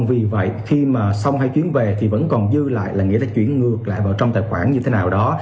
vì vậy khi mà xong hai chuyến về thì vẫn còn dư lại là nghĩa là chuyển ngược lại vào trong tài khoản như thế nào đó